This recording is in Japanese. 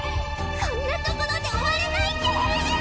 こんなところで終われないデース！